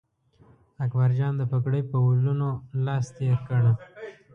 اکبرجان د پګړۍ په ولونو لاس تېر کړ.